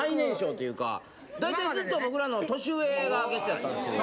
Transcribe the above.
大体ずっと僕らの年上がゲストやったんですけど。